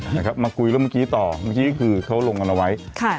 นะครับมาคุยเรื่องเมื่อกี้ต่อเมื่อกี้คือเขาลงกันเอาไว้ค่ะ